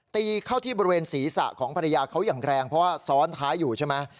ตีเข้าที่บริเวณศีรษะของภรรยาเขาอย่างแรงเพราะว่าซ้อนท้ายอยู่ใช่ไหม